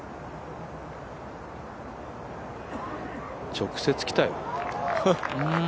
直接来たよ。